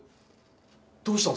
どうしたの？